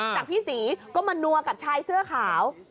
จากพี่ศรีก็มานัวกับชายเสื้อขาว